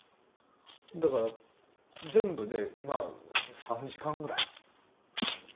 だから全部でまあ３時間ぐらい。